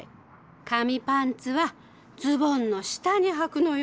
紙パンツはズボンの下にはくのよ。